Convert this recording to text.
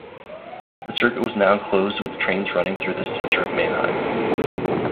The circuit was now closed with trains running through the centre of Mannheim.